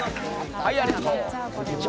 はい、ありがとう。